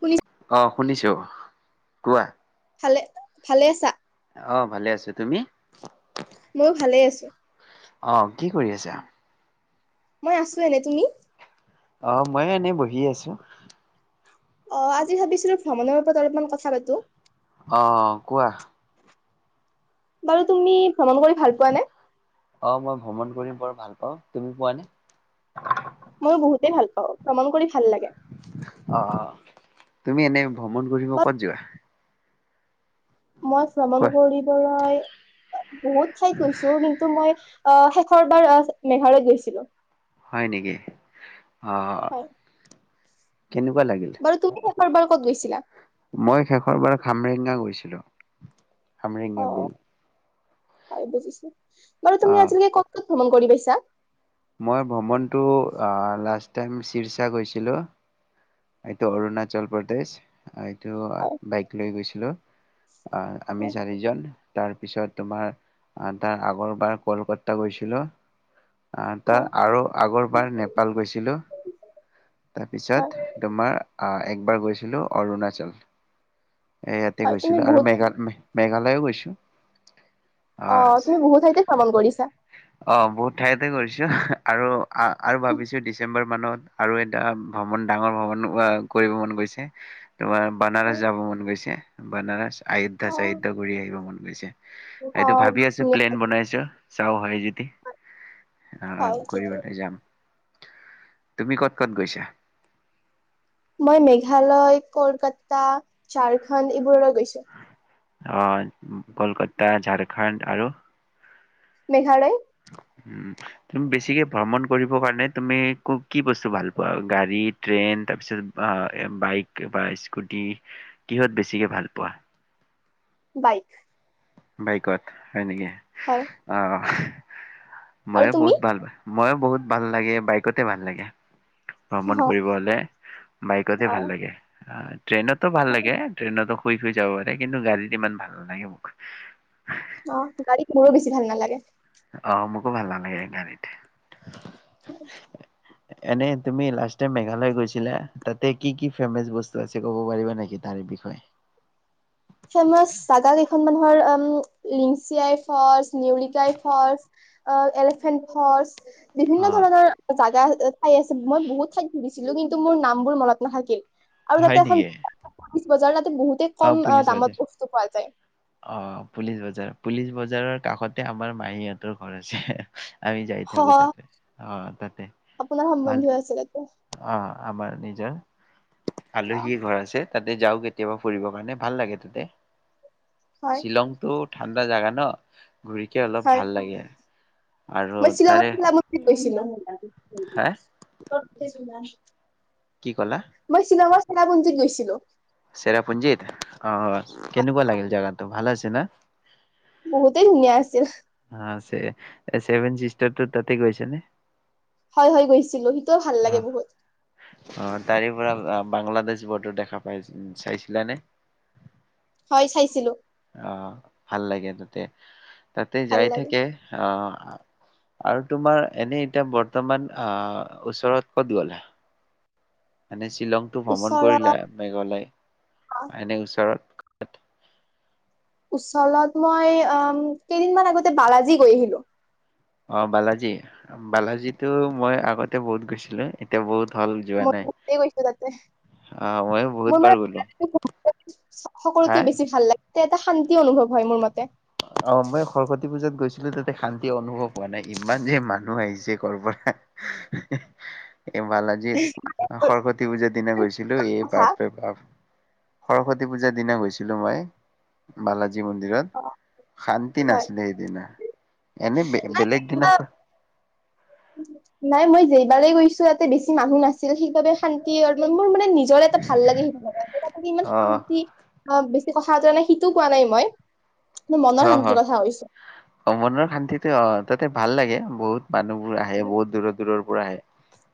শুনি অ শুনিছোঁ। কোৱা। ভালে, ভালে আছা? অ, ভালে আছো। তুমি? ময়ো ভালে আছো। অ, কি কৰি আছা? মই আছো এনে। তুমি? অ, মই এনেই বহি আছো। অ, আজি ভাবিছিলো ভ্ৰমণৰ ওপৰত অলপমান কথা পাতো। অ কোৱা। বাৰু তুমি ভ্ৰমণ কৰি ভাল পোৱা নে? অ মই ভ্ৰমণ কৰি বৰ ভাল পাওঁ। তুমি পোৱা নে? অ, ভ্ৰমণ কৰি ভাল লাগে। অ, তুমি এনে ভ্ৰমণ কৰিব বা ক'ত যোৱা? মই ভ্ৰমণ কোৱা কৰিবলৈ বহুত ঠাইত গৈছো, কিন্তু মই অ শেষৰ বাৰ মেঘালয়ত গৈছিলো। হয় নেকি? অ। হয় কেনেকুৱা লাগিল? তাৰ পৰা ক'ত গৈছিলা? মই শেষৰ বাৰ খামৰেঙা গৈছিলো। অ খনৰেঙা বিল। হয় বুজিছো। বাৰু অ তুমি আজিলৈকে ক'ত ক'ত ভ্ৰমণ কৰি পাইছা? মই ভ্ৰমণটো লাষ্ট টাইম চিৰচা গৈছিলোঁ। এইটো অৰুণাচল প্ৰদেশ, হয়। হয় এইটো বাইক লৈ গৈছিলো। অ, আমি হয় চাৰিজন। তাৰপিছত তোমাৰ আহ তাৰ আগৰবাৰ কলকাতা গৈছিলো। অ', তাৰ হয় আৰু আগৰবাৰ নেপাল গৈছিলো। হয় তাৰপিছত, তোমাৰ আহ একবাৰ গৈছিলোঁ অৰুণাচল। এ ইয়াতে হয় তুমি গৈছিলো আৰু বহুত মেঘাল মেঘা মেঘালয়ো গৈছোঁ। অ তুমি বহুত ঠাইতে ভ্ৰমণ কৰিছা। অ বহুত ঠাইতে কৰিছো আৰু আহ আৰু ভাবিছো ডিচেম্বৰ মানত আৰু এটা ভ্ৰমণ ডাঙৰ ভ্ৰমণ, আহ কৰিব মন গৈছে। তোমাৰ বানাৰাছ হয় যাব মন গৈছে বানাৰাছ আয়োদ্ধা অ চায়োদ্ধা ঘুৰি আহিব মন গৈছে। অ', এইটো ভাবি আছো ধুনীয়া প্লেন বনাইছো। চাও হয় য দি, আহ হয় ঠিকে। কৰিবলৈ যাম। তুমি ক'ত ক'ত গৈছা? মই মেঘালয়, কলকাতা, ঝাৰখণ্ড এইবোৰলৈ গৈছো। অ', কলকাতা, ঝাৰখণ্ড আৰু মেঘালয় উম, তুমি বেছিকে ভ্ৰমণ কৰিব কাৰণে তুমি কি বস্তু ভাল পোৱা গাড়ী, ট্ৰেইন তাৰ পিছত বাইক বা স্কুটি কিহত বেছিকে ভাল পোৱা? বাইক। বাইকত। হয় নেকি, হয় অ। আৰু ময়ো তুমি? বহুত ভাল ময়ো বহুত ভাল লাগে, বাইকতে ভাল লাগে। অ', ভ্ৰমণ কৰিব হলে, বাইকতহে ভাল হয় লাগে, আহ। ট্ৰেইনতো ভাল লাগে, ট্ৰেইনতো শুই শুই যাব পাৰে কিন্তু গাড়ীত ইমান ভাল নালাগে মোক। অ গাড়ীত মোৰো বেছি ভাল নালাগে। আহ, মোকো ভাল নালাগে এই গাড়ীত। হয় [inaudible] এনে তুমি লাষ্ট টাইম মেঘালয় গৈছিলা, তাতে কি কি ফেমাচ বস্তু আছে ক'ব পাৰিবা নেকি তাৰ বিষয়ে? পিছত মই, সাদা দেখোন মানুহৰ অ লিংচিয়াই ফলচ, নিউলিকাই ফলচ, এলিফেণ্ট ফলচ বিভিন্ন অ', ধৰণৰ জাগা ঠাই আছে, মই বহুত ঠাইত ফুৰিছিলো কিন্তু মোৰ নাম বোৰ মনত নাথাকিল। হয় নেকি কি বজাৰত বহুতে কম দামত বস্তু পোৱা যায়। অ পুলিচ বজাৰ পুলিচ বজাৰ বজাৰৰ কাষতে আমাৰ মাহীহঁতৰ ঘৰ আছে আমি যাই হ থাকো তাতে অ তাতে আপোনাৰ ভাল সম্বন্ধীয় আছিলে ত' অ আমাৰ নিজৰ অ'। আলহীৰ ঘৰ আছে তাতে যাওঁ কেতিয়াবা ফুৰিবৰ কাৰণে ভাল লাগে ততে হয় শ্বিলংটো ঠাণ্ডা জাগা ন ঘূৰিকে অলপ হয় ভাল লাগে আৰু মই শ্বিলঙত মছ ম গৈছিলো হে উ মই শ্বিলঙত চেৰাপুঞ্জীত গৈছিলো চেৰাপুঞ্জিত আহ হয়, কেনেকুৱা লাগিল জোগাটো ভাল আছে না বহুতেই ধুনীয়া আছিল চেভন চিষ্টাৰটো তাতে গৈছে নে হয় হয় গৈছিলোি অ অ তাৰে বাংলাদেশ বৰ্ডাৰ দেখা পাই চাইছিলানে হয় চাইছিলো। আহ ভাল লাগে তাতে। তাতে ভাল যাই লাগে থাকে আহ। আৰু তোমাৰ এনেই এতিয়া বৰ্তমান আহ ওচৰত ক'ত গ'ল। হয় শ্বিলংটো ভ্ৰমণ ওচৰত কৰিলা মেঘালয় এনে ওচৰত। তাত। উচলত মই কেইদিনমান আগতে বালাজী গৈ আহিলো। অ বালাজী বালাজীতো মই আগতে বহুত গৈছিলো এতিয়া বহুত। হ'ল যোৱা নাই। মই গৈছো তাতে অ ময়ো বহুত মোৰ বাৰ গ'লো মানে হা সকলোতে বেছি ভাল লাগে। তে এটা শান্তি অনুভৱ হয় মোৰ মতে। অ মই সৰস্বতী পূজাত গৈছিলো তাতে শান্তি অনুভৱ হোৱা নাই ইমান যে মানুহ আহিছে কৰ'ৰ পৰা। এই ভালাজিত সৰস্বতী পূজাৰ দিনা গৈছিলো এই কথা পাপে পাপ। সৰস্বতী পূজাৰ দিনা গৈছিলো মই বালাজ। যি মন্দিৰত। অ শান্তি হয় নাছিলিলে এই দিনা এনে বেলেগ কিবা দিনা। নাই মই যেইবাৰেই গৈছো ইতে বেছি মানুহ নাছিল সেইবাবে শান্তি অলমান মোৰ মানে। নিজৰ এটা ভাল লাগে সেইে আৰুে ইমান আহ শান্তি বেছি। কথাতৰা নাই সিটো কোৱা নাই মই। কিন্তু মনৰ অ শান্তিৰ হয় কথা কৈছো অ মনৰ শান্তিতে অ তাতে। ভাল লাগে বহুত। মানুহবোৰ আহে বহুত দূৰ দূৰ। পুৰাই।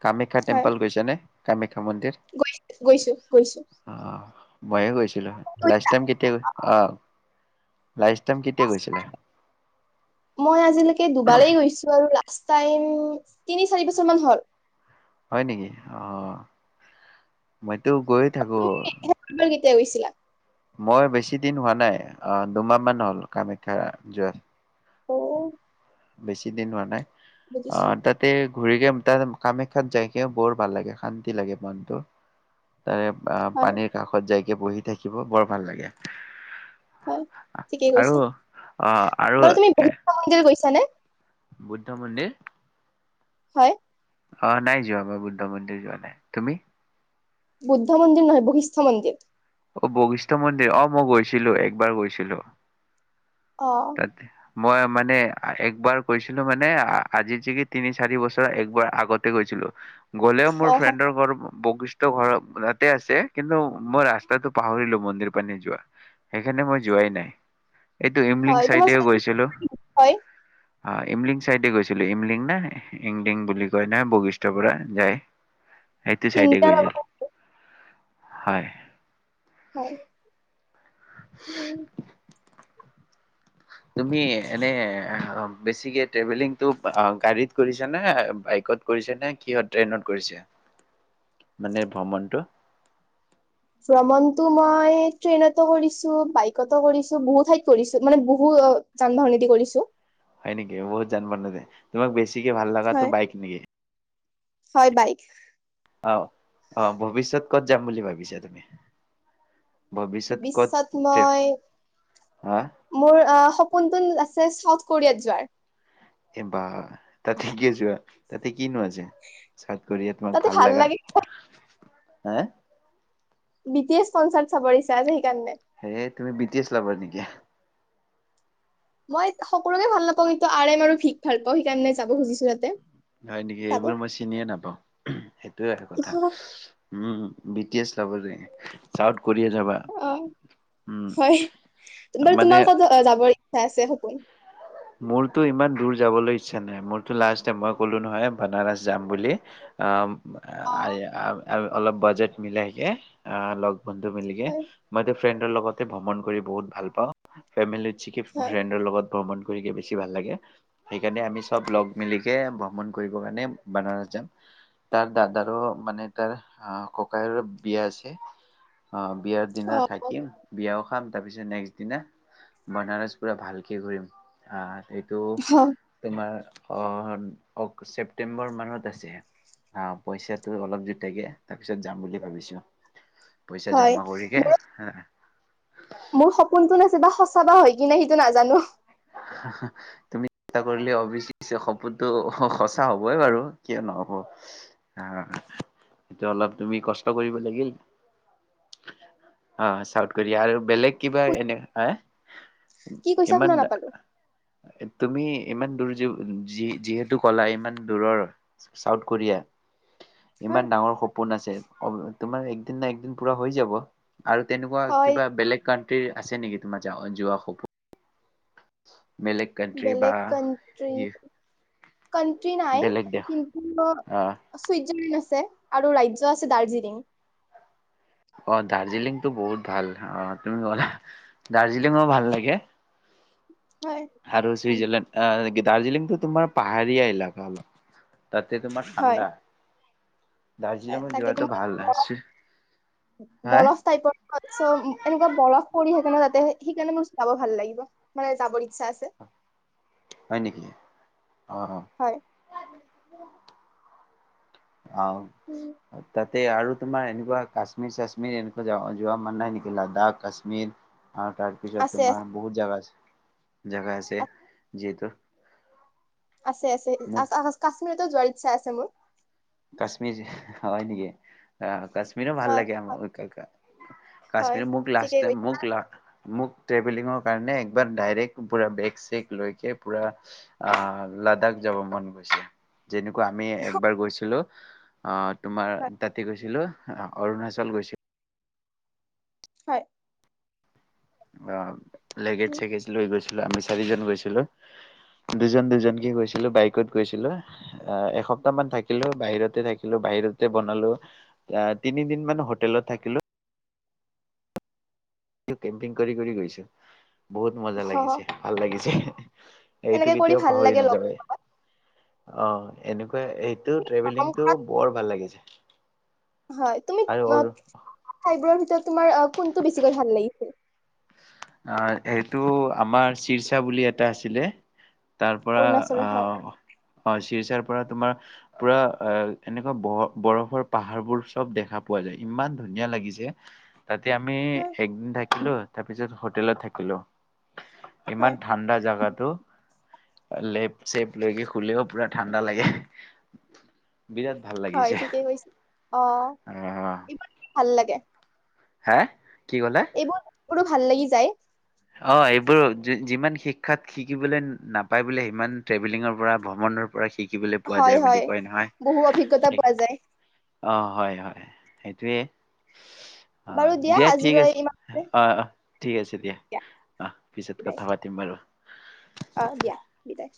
কামাখ্যা টেম্পল গৈছেনে। কাম্যখা। গৈছ গৈছো গৈছো। মাএ গৈছে। লা টাই কেতিয়াৈ আহ। মই আজিলৈকে দুবাৰেই গৈছো আৰু লাষ্ট। টাইম তিনি চাৰি বছৰ মান হ'ল। হয় নেকি অ মই। মই তো গৈয়ে থাকো। এবাৰ কেতিয়া গৈ চিলা। মই বেছি দিন হোৱা নাই আহ দুমাহ মান হল কামাখ্যা যোৱা। অহ। বেছি দিন হোৱা নাই। অ তাতে ঘূৰি গে তাৰ কামাখ্যাত যাইকও বৰ ভাল লাগে শান্তি লাগে মনটো তাৰে অ হয় পানীৰ কাষত যায় বহি থাকিব বৰ ভাল লাগে হয় ঠিকেই আৰু কৈছা আহ আৰু বাৰু তুমি এ বহুত মন্দিৰ গৈছ নে বুদ্ধ মন্দিৰ হয় অ নাই যোৱা মই বুদ্ধ মন্দিৰ যোৱা নাই তুমি বুদ্ধ মন্দিৰ নহয় বশিষ্ঠ মন্দিৰ অ বশিষ্ঠ মন্দিৰ অ মই গৈছিলো একবাৰ গৈছিলো অ ততি মই মানে একবাৰ গৈছিলো মানে আজি যে কি তিনি চাৰি বছৰ একবাৰ আগতে গৈছিলো গ'লেও মোৰ অ ফ্ৰেণ্ডৰ ঘৰত বশিষ্ঠ ঘৰ তাতে আছে কিন্তু মই ৰাস্তাটো পাহৰিলো মন্দিৰ পানী যোৱা সেইখণে মই যোৱাই নাই এইটো ইমলিং হয় তোমাৰ চাইদও চাগে- গৈছিলো হয় অ ইমলিং চাইডে গৈছিলো ইমলিং ন ইমলিং বুলি কয় ন বশিষ্টৰ পৰা যায় । সেইটো চাইডে ইণ্ডিয়ান গৈছিল । হয় হয় উম তুমি এনে বেছিকে্ৰেভেলিংটো গাড়ীত কৰিছ নে বাইকত কৰিছ নে কিহত ট্ৰেইনত কৰিছে মানে ভ্ৰমণটো ভ্ৰমণতো মই ট্ৰেইনতো কৰিছো বাইকতো কৰিছো বহু ঠাইত কৰিছো মানে বহু যান বাহনদি কৰিছো হয় নেকি বহুত জানিব নতে তোমাক বেছি বেছিকে ভাল লগাগাটোো হয়। বাইকে হয় বাইক আহ আহ ভৱিষ্যত কত যাম বুলি ভাবিছা তুমি ভৱিষ্যত মই হা মোৰ আহ কোন কোন আছে চাউথ কোৰিয়াত যোৱাৰ এই বা তাতেকে যোৱা তাতে কিনো আছে চাট কৰি তোমাক তাতে ভাল লগাগা লাগে হে বি টি এছ কনচাৰ্ট চাবছা হে তুমি বিটিছ লভাৰ নেকি মই সকলোকে ভাল নাপাওঁ সু আৰেইম আৰু ভিক ভাল পাওঁ সেইকাৰণে যাব খুজিছো তাতে হয় নেকি চাব। এইবোৰ মই চিনিয়ে নাপাওঁ সেইটোয়ে এক কথা অ উম বি টি এছ লব লাগে চাউ অ হয় বাৰু মানে তোমাৰ ক যাব চাইছে সপোন মোৰতো ইমান দূৰ যাবলৈ ইচ্ছা নাই মোৰতো লাষ্ট মই ক'লো নহয় বনাৰস যাম বুলি অ অ আ অলপ বাজেট মিলাইকে অ লগ বন্ধ মিলিগে হয় ফ্ৰেণ্ডৰ লগতে ভ্ৰমণ কৰি বহুত ভাল পাওঁ ফেমিলিত চিকে হয়। ফ্ৰেণ্ডৰ লগত । পামমান বেছি ভাল লাগে সেইকাৰণে আমি চব লগ মিলিকে ভ্ৰমণ কৰিব কাৰণে বানাৰস যাম তাৰ দাদাৰো মানে তাৰ ককায়ৰ বিয়া আছে অ বিয়াৰ দিনা থাকিম অ। বিয়াও খাম তাৰ পিছত নেক্সট দিনা বনাৰাজ পোৰা ভালকে ঘূৰিম অহ তো তোমাৰ অ কওঁক ছেপ্টেম্বৰ মানত আছে আহ পইচা অলপ যেতিয়াকে তাৰপিছত যাম বুলি ভাবিছো পইচা হয় জমা কৰিকে হে চাবা হয় কি ননে সেইটো নাজানো বাব তুমি চেষ্টা কৰিলে অবি সপোনতটো সঁচা হবে বাৰু কিয় নহব সটো অলপ তুমি কষ্ট কৰিব লাগিল অ চাউথ কৰিয়াৰ আৰু বেলেগ কিবা এনে হ কি কৈছা ইমান শুনা নাপালো তুমি ইমান দূৰ যি যিহেতু কলা ইমান দূৰৰ চাউথ কোৰিয়া হয় ইমান ডাঙৰ সপোন আছে তোমাৰ দিন ন একদিন পুৰা হৈ যাব আৰু তেনেকুৱা হয় কিবা বেলেগ ক আছে নেকি তোমাৰ য যোৱা সপো বা বেলেগ কাট্ৰি ই- কাট্ৰি নাই বেলেগ দেশ কিন্তু আহ চুইজাৰলেণ্ড আছে আৰু ৰাজ্য আছে দাৰ্জিলিং অ দাৰ্জিলিংতটো বহুত ভাল অ তুমি গলা দাৰ্জিলিঙো ভাল লাগে হয় আৰু সুইজাৰলেণ্ড দাৰ্জিলিংটোো তোমাৰ পাহ কাল [unintelligible] তাতে তোমাৰ হয় ঠাণ্ডা দাৰ্জিলিঙত তাকে যোৱাটো ভাল চুই- তোমাৰ হা বৰফ টাইপৰ এনেকুৱা বৰফ পৰি থাকে সে তাতে সেইকাৰণে মোৰ যাব ভাল লাগিব মানে যাবৰ ইচ্ছা আছে হয় নেকি আহ হ হয় উ [inaudible] অ উম, তাত তে আৰু তোমাৰ এনেকুৱা কাশ্মীৰ চাশ্মীৰ এনেকুৱা য যোৱা মান নাই নেকি লাডাখ কাশ্মীৰ আৰু তাৰ পিছত আছে তোমাৰ আছে বহুত জাগা আছে জগা আছে যিটো আছে আছে আ আ ক যোৱাৰ ইচ্ছা আছে মোৰ কাশ্মীৰি হয়নেকি আহ কাশ্মীৰো ভাল হয় লাগোৰ হয় কাশ্মীৰ মোক ঠিকেই লাষ্ট কৈছা মোক লা মোক ট্ৰেভেলিঙৰ কাৰণে একবাৰ ডাইৰেক্ট পুৰা বেগ চেগ লৈকে পুৰা লাডাখ যাব মন গৈছে যেনেকুৱা আমি একবাৰ গৈছো হেল্ল' অ তোমাৰ হয় তাতে গৈছিলোঁ।। অৰুণাচল গৈছিল। হয় অ লেগেজ উম, চেগেজ লৈ গৈছে। আমি চাৰিজন গৈছিলো দুজন দুজনকে গৈছিলো, বাইকত গৈছিলো অ এসপ্তাহ মান থাকিলো, বাহিৰতে থাকিলো, বাহিৰতে বনালো, অ তিনিদিন মান হোটেলত থাকিলো। তেওঁ কেম্পিং কৰি কৰি গৈছে বহুত মজা হ হ। লাগিছে ভাল লাগিছে। এইটো এনেকে কৰি কেতিয়াও ভাল পাহৰি লাগে লগ নাযাাৱে অ। এনেকুৱা এইটো পাম। ট্ৰেভেলিংটো বৰ ভাল লাগিছে হয় তুমি অ, আৰু। ঠাইবোৰৰ ভিতৰত তোমাৰ কোনটো বেছিকৈ ভাল লাগিছিল অ সেইটো আমাৰ চিৰচা বুলি এটা আছিলে। তাৰ পৰা অৰুণাচলৰ হয় চিৰচাৰ পৰা তোমাৰ পুৰা এ এনেকুৱা ব বৰফৰ পাহাৰবোৰ চব দেখা পোৱা যায় ইমান ধুনীয়া লাগিছে তাতে আমি একদিন থাকিলো তাৰপিছত- হোটেলত থাকিলো। ইমান হয় ঠাণ্ডা জোগাটো। লেপ চেপ লৈকে শুলেও পুৰা ঠাণ্ডা লাগে। বিৰাট ভাল হয় লাগিছে ঠিকেই কৈছো অ আহ ইমান ভাল লাগে। হে এইবোৰ বোলো ভাল লাগি যায়। অ এইবোৰ যিমান শিক্ষাত শিকিবলৈ নাপায় বোলে সিমান ট্ৰেভেলিঙৰ পৰা ভ্ৰমণৰ পৰা পৰা শিকিবলৈ পোৱা হয় যায় বুলি হয় কয় নহয়। বহু অভিজ্ঞতা অ পোৱা যায় হয় হয় সেইটোৱে। অ বাৰু দিয়া ঠিক আজিলৈ আছে ইমান অ অ ঠিক আছে দিয়া। আহ পিছত বিদায় কথা পাতিম বাৰু। এক